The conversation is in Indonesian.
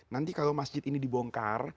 nanti kalau masjid ini dibongkar